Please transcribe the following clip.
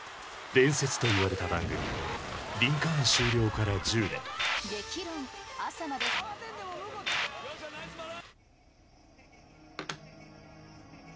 伝説といわれた番組リンカーン終了から１０年慌てんでもウドよっしゃナイスバラ